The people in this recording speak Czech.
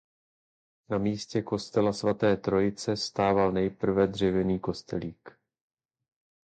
Na místě kostela Svaté Trojice stával nejprve dřevěný kostelík.